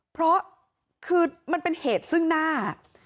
เพราะคือมันเป็นเหตุซึ่งหน้า